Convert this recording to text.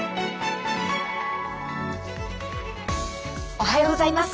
おはようございます。